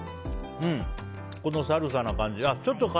このサルサな感じ。